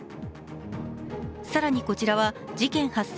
更にこちらは事件発生